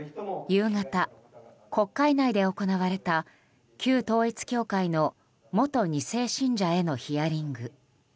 夕方、国会内で行われた旧統一教会の元２世信者へのヒアリング。